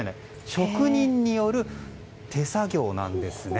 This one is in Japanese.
職人による手作業なんですね。